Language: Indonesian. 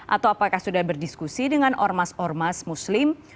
atau apakah sudah berdiskusi dengan ormas ormas muslim